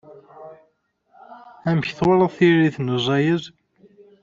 Amek twalaḍ tiririt n uzayez?